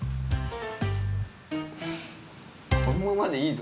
このままでいいぞ。